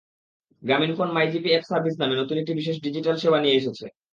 Grameenphone MyGP app service নামে নতুন একটি বিশেষ ডিজিটাল সেবা নিয়ে এসেছে।